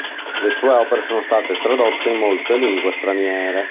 Le sue opere sono state tradotte in molte lingue straniere.